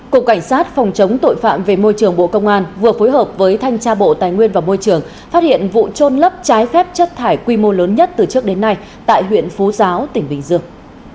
cục cảnh sát phòng chống tội phạm về môi trường bộ công an vừa phối hợp với thanh tra bộ tài nguyên và môi trường phát hiện vụ trôn lấp trái phép chất thải quy mô lớn nhất từ trước đến nay tại huyện phú giáo tỉnh bình dương